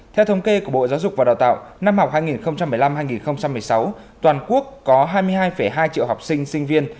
theo thống kê của bộ giáo dục và đào tạo năm học hai nghìn một mươi năm hai nghìn một mươi sáu toàn quốc có hai mươi hai hai triệu học sinh sinh viên